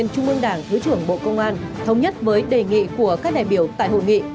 tổng đảng thứ trưởng bộ công an thống nhất với đề nghị của các đại biểu tại hội nghị